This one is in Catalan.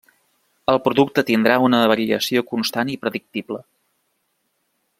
El producte tindrà una variació constant i predictible.